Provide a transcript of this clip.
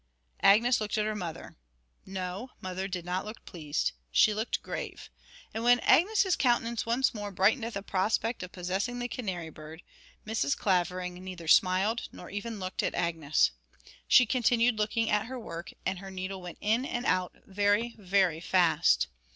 Agnes looked at her mother. No, mother did not look pleased she looked grave; and when Agnes's countenance once more brightened at the prospect of possessing the canary bird, Mrs. Clavering neither smiled nor even looked at Agnes. She continued looking at her work, and her needle went in and out very, very fast.